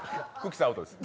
さんアウトです。